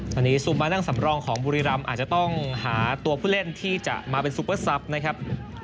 ตอนนี้ซูมานั่งสำรองของบุรีรำอาจจะต้องหาตัวผู้เล่นที่จะมาเป็นซูเปอร์ซับนะครับ